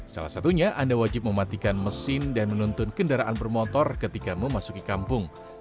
salah satunya anda wajib mematikan mesin dan menuntun kendaraan bermotor ketika memasuki kampung